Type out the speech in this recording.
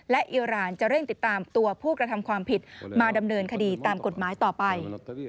และอิราณจะเร่งติดตามตัวผู้กระทำความผิดมาดำเนินคดีตามกฎหมายต่อไป